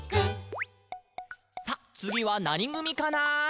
「さあ、つぎはなにぐみかな？」